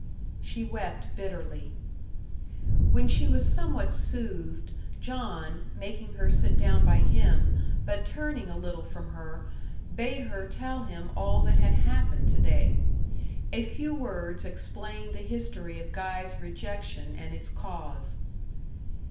She wept bitterly. When she was somewhat soothed, John, making her sit down by him, but turning a little from her, bade her tell him all that had happened to day. A few words explained the history of Guy's rejection and its cause.